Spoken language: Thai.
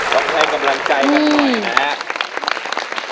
ต้องให้กำลังใจกันหน่อยนะครับ